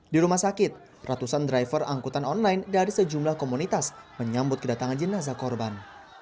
di rumah sakit ratusan driver angkutan online dari sejumlah komunitas menyambut kedatangan jenazah korban